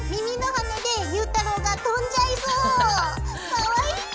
かわいい。